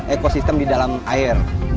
ekosistem di dalam air ya pak ya